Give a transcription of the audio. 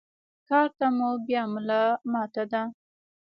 کار ته مو بيا ملا ماته ده.